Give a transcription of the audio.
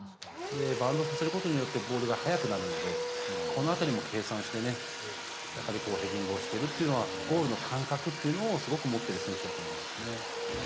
バウンドさせることによって、ボールが速くなるので、このあたりも計算してね、ヘディングをしてるっていうのはね、ゴールの感覚っていうのを、すごく持ってる選手だと思いますね。